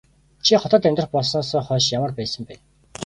Чи хотод амьдрах болсноосоо хойш ямар байсан бэ?